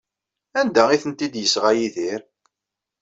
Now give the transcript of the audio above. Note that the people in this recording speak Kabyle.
Anda ay tent-id-yesɣa Yidir?